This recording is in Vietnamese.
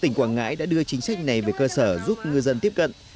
tỉnh quảng ngãi đã đưa chính sách này về cơ sở giúp ngư dân tiếp cận